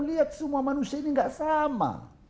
lihat semua manusia ini gak sama